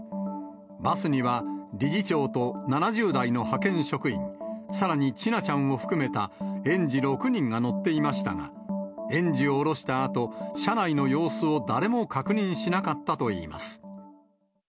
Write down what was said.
バスには理事長と７０代の派遣職員、さらに千奈ちゃんを含めた、園児６人が乗っていましたが、園児を降ろしたあと、車内の様子を誰も確認しなかったといいます。